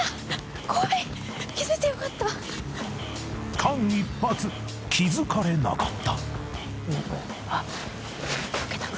［間一髪気付かれなかった］